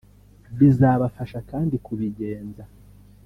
Bizabafasha kandi kubigenza